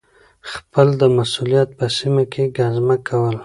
خپل د مسؤلیت په سیمه کي ګزمه کول